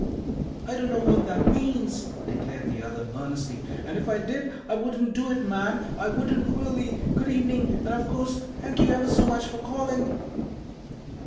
"I don't know what that means," declared the other earnestly, "and if I did, I wouldn't do it, ma'am, I wouldn't really. Good evening, and, of course, thank you ever so much for calling."